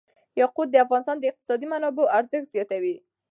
یاقوت د افغانستان د اقتصادي منابعو ارزښت زیاتوي.